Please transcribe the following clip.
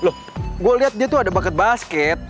loh gue lihat dia tuh ada baket basket